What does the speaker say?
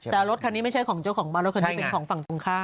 แต่รถคันนี้ไม่ใช่ของเจ้าของบ้านรถคันนี้เป็นของฝั่งตรงข้าม